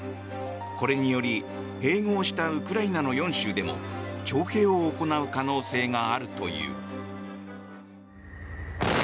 これにより併合したウクライナの４州でも徴兵を行う可能性があるという。